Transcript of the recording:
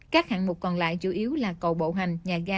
các hạng mục còn lại chủ yếu là cầu bộ hành nhà ga